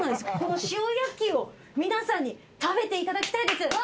この塩やっきーを皆さんに食べていただきたいです。